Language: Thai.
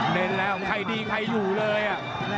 เล่นแล้วใครดีใครอยู่เลย